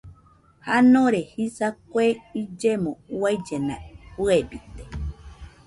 Janore jisa kue illemo uaillena fɨebite